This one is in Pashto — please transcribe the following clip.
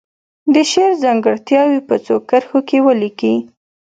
د شعر ځانګړتیاوې په څو کرښو کې ولیکي.